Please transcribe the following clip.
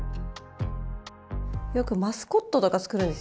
よくマスコットとか作るんですよ。